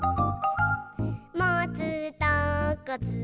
「もつとこつけて」